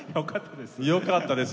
よかったです？